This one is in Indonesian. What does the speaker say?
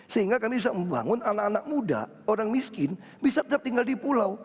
sehingga kami bisa membangun anak anak muda orang miskin bisa tetap tinggal di pulau